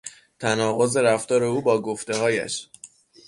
تناقض رفتار او با گفتههایش